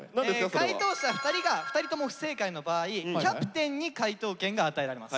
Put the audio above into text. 解答者２人が２人とも不正解の場合キャプテンに解答権が与えられます。